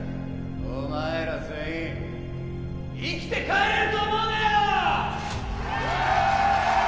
お前ら全員生きて帰れると思うなよ！